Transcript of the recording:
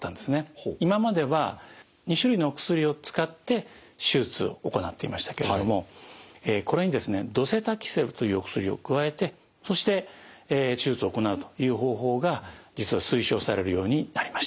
今までは２種類のお薬を使って手術を行っていましたけれどもこれにですねドセタキセルというお薬を加えてそして手術を行うという方法が実は推奨されるようになりました。